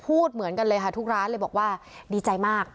พูดเหมือนกันเลยค่ะทุกร้านเลยบอกว่าดีใจมาก